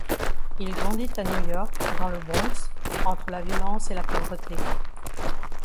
Il grandit à New York dans le Bronx, entre la violence et la pauvreté.